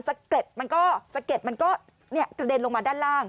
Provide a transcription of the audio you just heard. สะเก็บมันก็ตระเด็นลงมาด้านล่าง